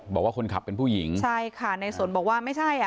บอกว่าคนขับเป็นผู้หญิงใช่ค่ะในสนบอกว่าไม่ใช่อ่ะ